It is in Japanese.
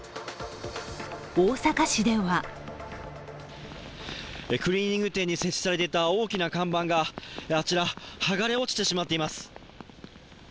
大阪市ではクリーニング店に設置されていた大きな看板があちら、剥がれ落ちてしまっています。